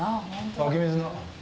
湧き水の。